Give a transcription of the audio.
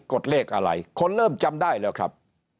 ดเลขอะไรคนเริ่มจำได้แล้วครับ